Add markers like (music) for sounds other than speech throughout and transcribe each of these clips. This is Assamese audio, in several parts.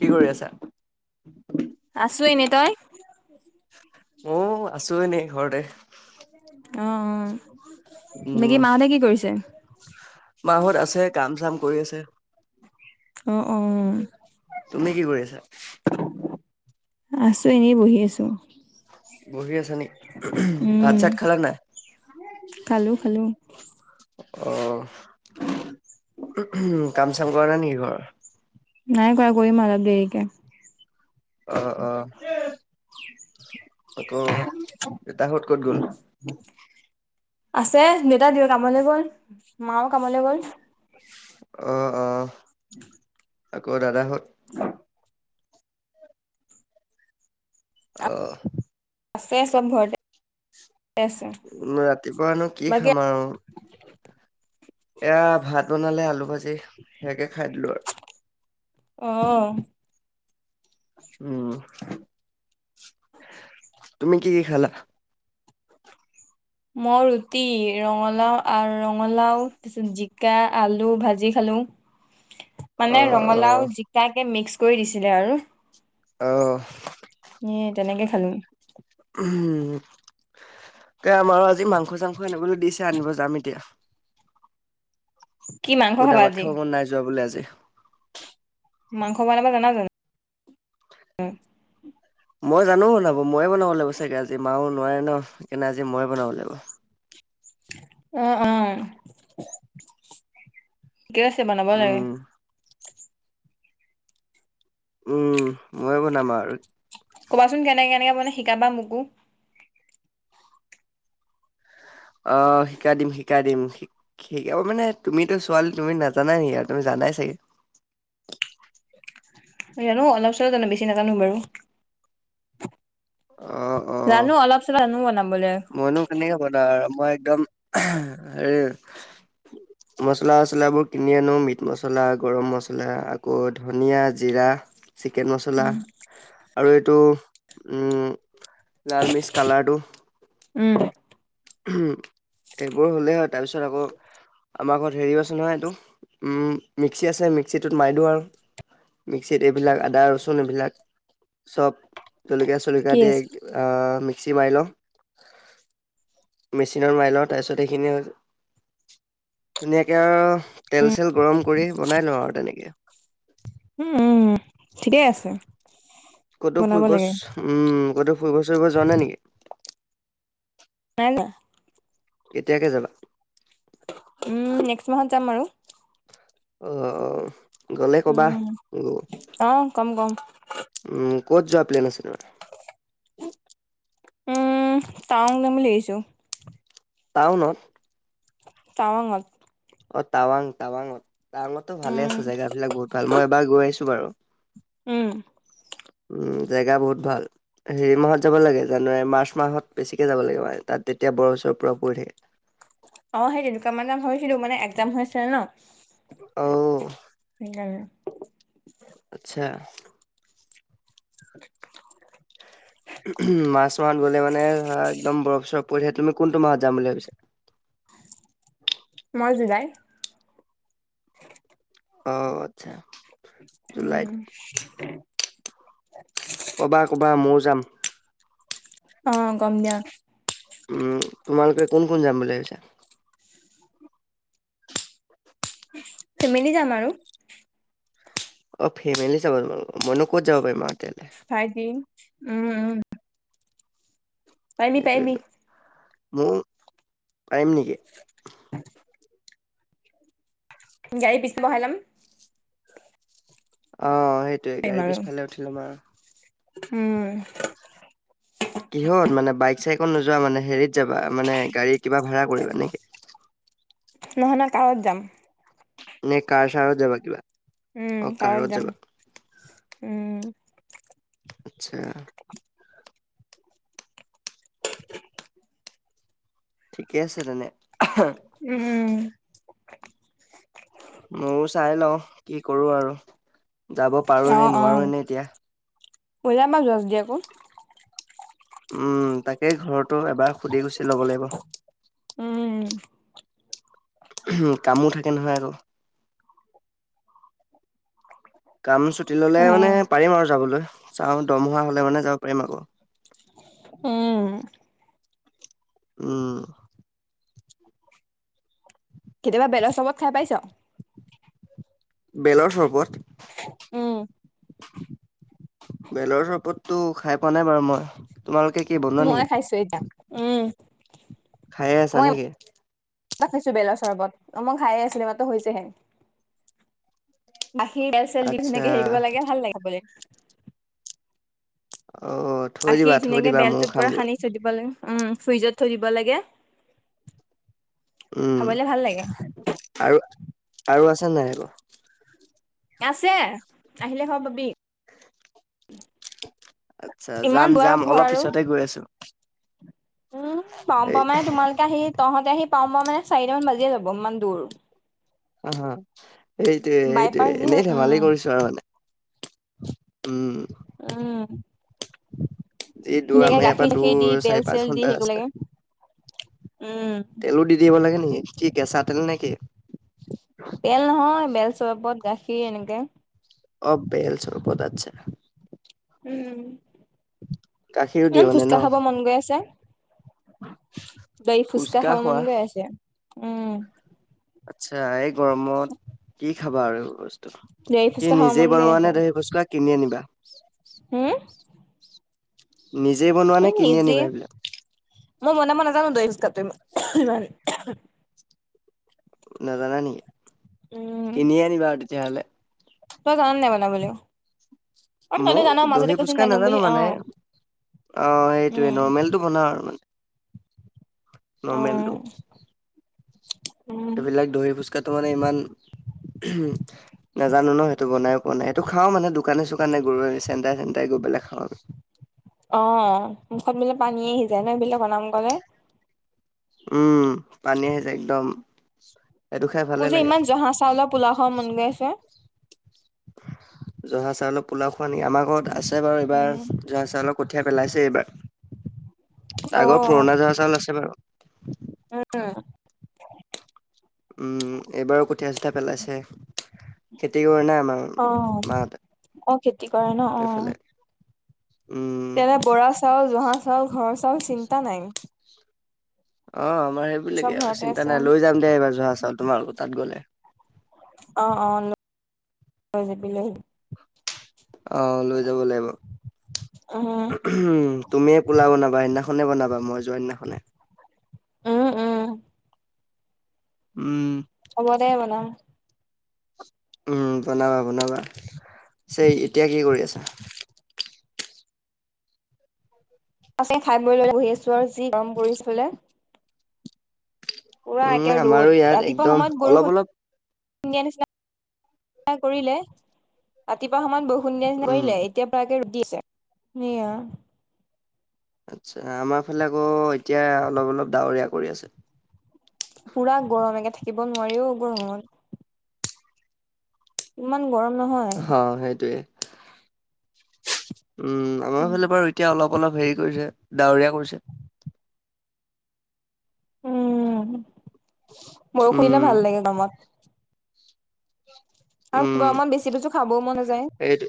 কি কৰি আছা? আছো এনে তই মই আছো এনেই ঘৰতে। অ অ নেকি মাহঁতে কি কৰিছে? মা হত আছে কাম চাম কৰি আছে। অ অ তুমি কি কৰি আছা। আছো এনেই বহি আছো। বহি আছা নেকি উম ভাত চাট খালা নাই। খালো খালো অহ। উম কাম চাম কৰা নাই নেকি ঘৰৰ। নাই কৰা কৰিম আৰু অলপ দেৰিকে। অ অ আকৌ আইতা হত। কত গল। আছে দেউতা দেউ কামলৈ গ'ল মাও কামলৈ গ'ল। অ অ আকৌ দাদা সত। অহ। আছে চব ঘৰতে। আছে ৰাতিপুৱানো কি বাকী খাম আৰু। এয়া ভাত বনালে আলু ভাজি সেয়াকে খাই দিলো আৰু। অহ। উম তুমি কি কি খালা? উ (unintelligible) মই ৰুটি ৰঙালাও ৰঙালাও, জিকা, আলু ভাজি খালো। (unintelligible) মানে অ', ৰঙালাও জিকাকে মিক্স কৰি দিছিলে আৰু। অহ। এ তেনেকে খালো। উম। ত আমাৰো আজি মাংস চাংস আনিবলৈ দিছে আনিব যাম এতিয়া। কি মাংস সুধা খাবা ভাত আজি খাব মন নাই যোৱা বোলে আজি। মাংস বনাব জানা জানো। মই জানো বনাব ময়ে বনাব লাগিব চাগে আজি মাও নোৱাৰে ন সেইকাৰণে আজি মইে বনাব লাগিব। অহ অহ। ঠিকে আছে বনাব লাগে। উম, উম ময়ে বনাম আৰু। কবাচোন কেনেকে কেনেকে মানে শিকাবা মোকো। অ শিকাই দিম শিকাই দিম শ শিক মানে তুমিতো ছোৱালী তুমি নাজানা নেকি আৰু তুমি জানা নাই ছাগে জানো অলপ চলপ জানো বেছি নাজানো বাৰু অ', অ', জানো অলপ চ জানো বনাবলৈ মইনো কেনেকে হ ব ন মই একদম হেৰি মছলা চচলাবোৰ কিনি আনো মিট মছলা গৰম মছলা আকৌ ধনিয়া জিৰা চিকেন মচলা উম আৰু এইটো উম লাল মিচ কালাৰটো উম উ এইবোৰ হ'লেই হয় তাৰপিছত আকৌ আমাৰ ঘৰত হেৰিও আছে নহয় এইটো মিক্সি আছে মিক্সিটোত মাৰ দিওঁ আৰু মিক্সিত এইবিলাক আদা ৰচুন এইবিলাক চব জলকীয়া কি চলকীয়া দি আছে মিক্সি মাৰি লওঁ মেচিনত মাৰ লৰ তাৰ পিছত সেইখিনিয়ে ধুনীয়াকে আৰু তেল চেল গৰম কৰি বনাই লওঁ আৰু তেনেকে। উম উম ঠিকেই আছে ক'তো বনাব ফুৰিব লাগে উম ক'তো ফুৰিব চুৰিব যোৱা নে নেকি ন ন এতিয়াকে যাবা উম নেক্সট মাহত যাম আৰু আহ আহ গলে কবা উম গ অ কম কম উম। ক'ত যোৱা প্লেন আছে তোমাৰ উম টাউং নাম বুলি আহিছো টাউনত। টাৱঙত অ টাৱাং টাৱাঙত টাৱাঙতো ভালে আছে উম জেগা বিলাক বহুত ভাল মই এবাৰ গৈ আছো বাৰু উম উম জেগা বহুত ভাল হেৰি মাহত যাব লাগে জানুৱাৰী মাৰ্চ মাহত বেছিকে যাব লাগে মানে। তাত তেতিয়া বৰ ওৰ পৰা পৰি থে অ সেই তেনেকুৱা মান যাম ভাবছিলো মানে একজাম হৈছিলে ন অ গানে। আচ্ছা (unintelligible) মাৰ্চ মাহত গ'লে মানে একদম বৰফ চৰফ পৰি থে তুমি কোনটো মাহত যাম বুলি ভাবিছা উ মজ যায় অ আচ্ছা উম জুলাইত কবা কবা মইয়ো যাম অ গম দিয়া উম তোমালোকে কোন কোন যাম বুলি ভাবিছা ফেমেলি যাম আৰু অ ফেমিলি যাব তাৰ মনে ক'ত যাব পাৰি মাৰ তেল ভাইট উম উম। পাইবি পাইবি মোৰ পাৰিম নেকি গাড়ী পিছম হলাম অ সেইটোয়ে পাৰিম গাড়ী আৰু পিছফালে উঠিলম আৰু উম (inaudible) কিহত মানে বাইক, চাইক নোযোৱা মানে হেৰিত যাবা মানে গাড়ী কিবা ভাড়া কৰিবা নেকি? নহয় -নহয় কাৰত যাম। নে কাৰ -চাৰত যাবা কিবা। উম, অ কাৰত যাম। যাবা উম আচ্ছা। ঠিকে আছে তেনে উম -উম ময়ো চাই লওঁ কি কৰো আৰু যাব পাৰো নে নোৱাৰো নে এতিয়া উলাবা যজ দি আকৌ। উম, তাকেই ঘৰতো এবাৰ সুধি গুচি ল'ব লাগিব। উম ওহো কামো থাকে নহয় আকৌ কাম ছুটি ল'লে মানে পাৰিম আৰু যাবলৈ চাওঁ দৰমহা হলে মানে যাব পাৰিম আকৌ। উম উম কেতিয়াবা বেলৰ চৰবত খাই পাইছ? বেলৰ চৰবত? উম বেলৰ চৰবতটো খাই পোৱা নাই বাৰু মই। তোমালোকে কি বনোৱা মই খাইছো এতিয়া নেকি উম খাইয়ে আছা মই নেকি? (unintelligible) বেলৰ চৰবত অহ মই খাইয়ে আছিলো এই মাত্ৰ হৈছেহে। গাখীৰ, তেল, চেল দি আচ্ছা ধুনীয়াকে হেৰি দিব লাগে ভাল লাগে খাবলে। অ থৈ দিবা গাখীৰ থৈ ধুনীয়াকে দিবা ময়ো বেলটো পুৰা খামগৈ সানি থৈ দিব লাগে উম, ফ্ৰিজত থৈ দিব লাগে। উম, খাবলে ভাল লাগে আৰু -আৰু আছে নাই আকৌ? আছে আহিলে খাব পাবি। আচ্ছা ইমান যাম- দূৰ আৰু যাম ঘৰ অলপ আৰু পিছতে গৈ আছো। উম, গম এই পাওঁ মানে তোমালোকে আহি তহঁত আহি পাওঁ -পাওঁ মানে চাৰিটামান বাজিয়ে যাব ইমান দূৰ। হা-হা এইটোয়ে -এইটোয়ে বাইপাছ দি হৈ এনেই ধেমালি উম কৰিছো আৰু মানে। উম উম যি দূৰ ধুনীয়াকে আমাৰ ইয়াৰ পৰা গাখীৰ চাখীৰ দি দূৰ বেল চাৰি চেল পাঁচ দি ঘন্টা হেৰি কৰিব ৰাস্তা। লাগে উম তেলো দি দিব লাগে নেকি কি কেঁচা তেল নে কি? বেল নহয় বেল চৰবত গাখীৰ এনেকে অহ, বেল চৰবত আটচ্ছা। উম, গাখীৰো (inaudible) দিয়ে ইমান মানে ন ফোচকাহ খাব মন গৈ আছে। (inaudible) দহী ফুচকা খাব মন গৈ আছে উম। আচ্ছা এক গৰমত কি খাবা আৰু বস্তু দহি ফুচকা খাব নিজে মন বনোৱা নে দহি পুস্কা কিনি আনিবা? হম? নিজেই বনোৱা নে কিনি ইজি আনিবা এইবিলাক? মই বনাব নাজানো দহি পুষ্কাটো ইমান নাজানা নিকি, উম কিনি আনিবা তেতিয়াহলে। তই জান নে নাই বনাবলে? মোও দহি পুষ্কা নাজানো অ মানে অহ, উম সেইটোৱেই নৰ্মেলটো বনাও আৰু মানে। অ নৰ্মেলটো (inaudible) উম এইবিলাক দহি ফুচ কাটু মানে ইমান নাজানো ন' সেইটো বনায়ো পোৱা নাই সেইটো খাওঁ মানে দোকানে চো চোকানে গৈ চেন্টাৰে -চেন্টাৰে গৈ পেলাই খাওঁ আৰু। পানীয়ে আহি যায় ন' এইবিলাকৰ নাম ক'লে। উম, পানী আহিছে একদম। সেইটো খাই ভালে মোৰ যে, লাগে ইমান জহা চাউলৰ পোলাও খাব মন গৈ আছে্ জহা চাউলৰ পোলাও? আমাৰ ঘৰত আছে বাৰু এইবাৰ উম জহা চাউলৰ কঠীয়া পেলাইছে এইবাৰ। অ আগৰ পুৰণা জহা চাউল আছে বাৰু। উম! উম, এইবাৰো কঠীয়া, চঠিয়া পেলাইছে। খেতি কৰে নাই? আমাৰ অ'! মাহঁতে অ'! খেতি কৰে ন'? এইফালে অ'! উম তেনে, বৰা চাউল, জহা চাউল, ঘৰ চাউল চিন্তা নাই। অ'! ‌ আমাৰ চব সেইবিলাকে আৰু ঘৰতে চিন্তা আছে নাই। লৈ যাম দে এইবাৰ জহা চাউল তোমালোকৰ তাত গ'লে। অ'! অ'! লৈ যাবি লৈ আহিবি। অ'! লৈ যাব লাগিব। উম উ! তুমিয়ে পোলাও বনাবা সেইদিনাখন? সেইদিনাখনে বনাবা, মই যোৱা দিনাখনে। উম! উম! উম! হ'ব দে বনাম। উম, বনাবা, বনাবা, পিছে এতিয়া কি কৰি আছা? পিছে খাই বই লৈ বহি আছোঁ। আৰু। যি গৰম পৰিছিলে। পুৰা উম, একে ৰ'দ আমাৰো ঋ, ইয়াত ৰাতিপুৱা একদম সময়ত অলপ বৰষুণ অলপ ইণ্ডিয়াৰ নিচিনা কৰিলে, ৰাতিপুৱা সময়ত বহুত উম, (unintelligible) এতিয়া পৰাকে ৰ'দ দি আছে। আচ্ছা! আমাৰ ফালে আকৌ, এতিয়া অলপ অলপ ডাৱৰীয়া কৰি আছে। পুৰা গৰম একে থাকিব নোৱাৰি অ'! গৰমত। ইমান গৰম। নহয়। হ' সেইটোৱে। উম, আমাৰ ফালে বাৰু এতিয়া অলপ, অলপ হেৰি কৰিছে, ডাৱৰীয়া কৰিছে। উম বৰষুণ দিলে উম, ভাল লাগে গৰমত। আৰু উম, গৰমত বেছি বস্তু খাবও মন নাযায়। সেইটো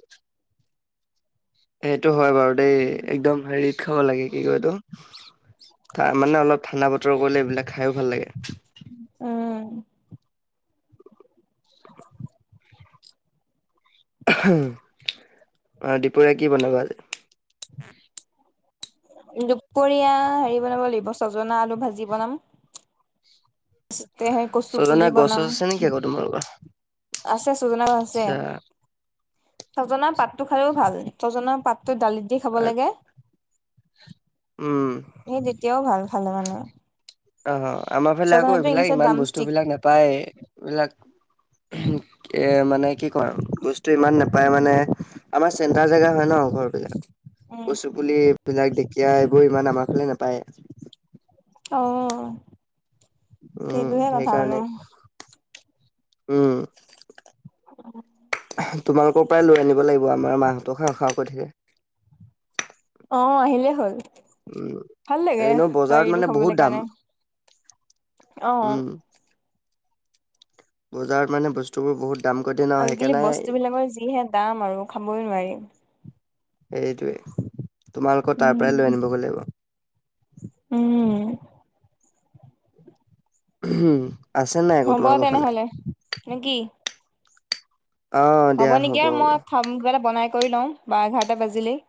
সেইটো হয় বাৰু দেই। একদম হেৰিত খাব লাগে। কি কয় এইটো, মানে অলপ ঠাণ্ডা বতৰ কৰিলে এইবিলাক খাইও ভাল লাগে। উম! (unintelligible) দুপৰীয়া কি বনাবা আজি? দুপৰীয়া হেৰি বনাব লাগিব, চজনা আলু ভাজি বনাম। পিছতকেহে কচু ছজনা পুলি গছ চছ বনাম। আছে নেকি আকৌ তোমালোকৰ? আছে, ছজনা আছে। আচ্ছা, ছজনাৰ পাতটো খালেও ভাল ছজনা পাত। পাতটো দালিত দি খাব লাগে। উম! সেই তেতিয়াও ভাল খালে মানে। অ'! আমাৰ ফালে, আকৌ, ছজনাটো এইবিলাক ইংলিছত ইমান ডাম ষ্টিক। বস্তুবিলাক নাপায় এইবিলাক। এ, মানে কি কম, বস্তু ইমান নাপায় উম মানে আমাৰ চেণ্টাৰ জেগা হয় ন ঘৰ বিলাক। কচু পুলি বিলাক দেখি এতিয়া, এইবোৰ ইমান আমাৰ ফালে নাপায়। অ'! উম সেইটোৱেই কথা মানে। সেইকাৰণে উম! (inaudible) তোমালোকৰ পৰাই লৈ আনিব লাগিব। আমাৰ মাহঁতেও খাওঁ খাওঁ কৰি থাকে। অ আহিলেই হ'ল। উম, ভাল লাগে এনেও বজাৰত হেৰিটো মানে খাবলৈ বহুত কাৰণে দাম। অ উম! বজাৰত মানে বস্তুবোৰ বহুত। দাম কৰি দিয়ে ন আজি কালি সেইকাৰণে বস্তুবিলাকৰ যিহে দাম আৰু খাবই নোৱাৰি। সেইটোৱে তোমালোকৰ তাৰ উম পৰাই লৈ আনিব গৈ লাগিব। উম। উম আছে নাই আকৌ হ'ব তোমালোকৰ ফালে। তেনেহলে নে কি অ হ'ব দিয়া নেকি আৰু হ'ব মই কিবা এটা বনাই কৰি লম বা এঘাৰটা বাজিলেই।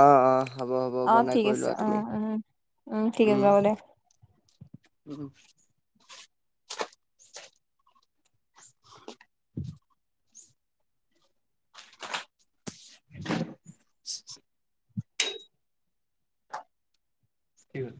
অহ অহ হ'ব হ'ব অ বনাই ঠিক কৰি আছে লোৱা অ তুমি। উম উম ঠিক আছে হ'ব দে। উম। (unintelligible) কি হ'ল।